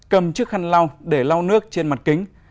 cầm chiếc khăn lau để lau nước trên mặt kính